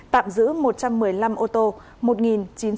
tạm giữ một trăm một mươi bảy mô tô và hai mươi tám phương tiện khác